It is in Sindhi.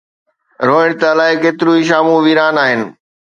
روئڻ ته الائي ڪيتريون شامون ويران آهن.